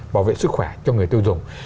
bảo vệ sức khỏe cho người tiêu dùng